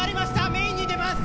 メインに出ます！